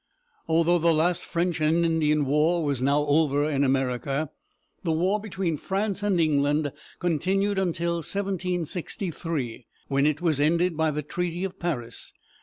Although the last French and Indian War was now over in America, the war between France and England continued until 1763, when it was ended by the treaty of Păr´is.